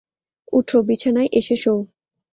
উঠ, বিছানায় এসে শোও।